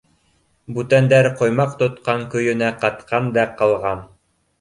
— Бүтәндәр ҡоймаҡ тотҡан көйөнә ҡатҡан да ҡалған.